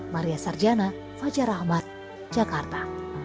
maria sarjana fajar ahmad jakarta